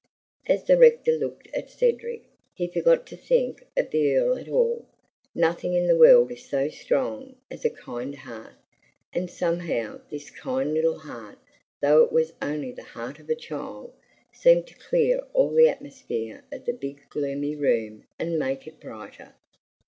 As the rector looked at Cedric, he forgot to think of the Earl at all. Nothing in the world is so strong as a kind heart, and somehow this kind little heart, though it was only the heart of a child, seemed to clear all the atmosphere of the big gloomy room and make it brighter.